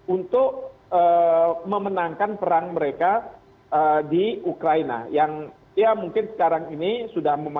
untuk memenangkan perang mereka di ukraina yang ya mungkin sekarang ini sudah